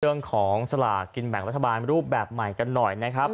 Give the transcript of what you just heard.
เรื่องของสลากกินแบ่งรัฐบาลรูปแบบใหม่กันหน่อยนะครับ